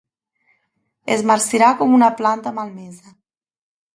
Es marcirà com una planta malmesa.